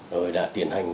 rồi đã tiến hành